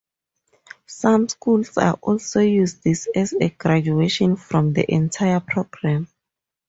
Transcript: Some schools also use this as a graduation from the entire program.